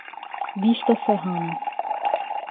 Vista Serrana